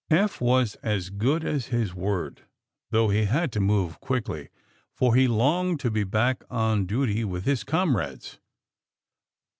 Eph was as good as his word, though he had to move quickly, for he longed to be back on duty with his comrades.